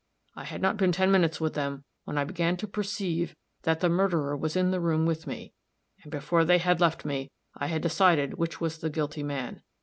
I had not been ten minutes with them when I began to perceive that the murderer was in the room with me; and before they had left me, I had decided which was the guilty man.